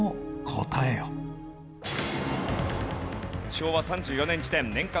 昭和３４年時点年間